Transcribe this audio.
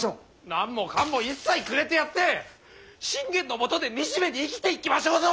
何もかんも一切くれてやって信玄のもとで惨めに生きていきましょうぞ！